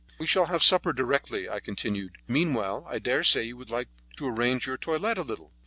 "We shall have supper directly," I continued. "Meanwhile, I dare say you would like to arrange your toilette a little?"